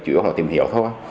chủ yếu là tìm hiểu thôi